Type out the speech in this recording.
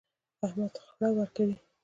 احمد خړه ورکوي.